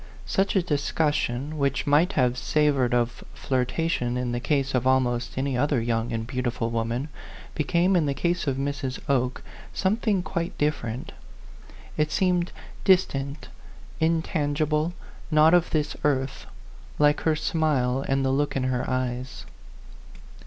Such a discussion, which might have savored of flirtation in the case of almost any other young and beautiful woman, became in the case of Mrs. Oke something quite different ; it seemed distant, intangible, not of this earth, like her smile and the look in her eyes.